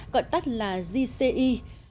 gọi tắt là gci